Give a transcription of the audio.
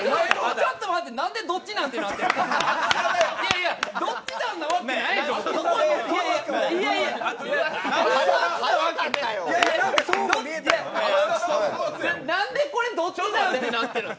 ちょっと待って、何でどっちなんてなってるの？